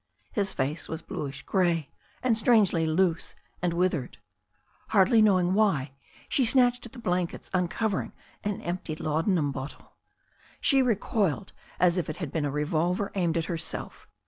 His face was bluish grey, and strangely loose and withered. Hardly knowing why, she snatched at the blankets, un covering an empty laudanum bottle. She recoiled, as if it had been a revolver aimed at herself.